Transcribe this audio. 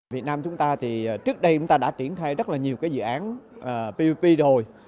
việt nam chúng ta thì trước đây chúng ta đã triển khai rất là nhiều cái dự án ppp rồi